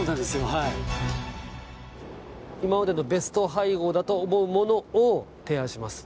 はい今までのベスト配合だと思うものを提案します